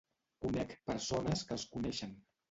Conec persones que els coneixen.